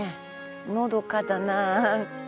のどかだな。